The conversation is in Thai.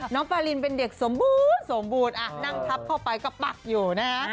น้องป่าลินเป็นเด็กสมบูรณ์นั้นผับเข้าไปก็ปักอยู่นะ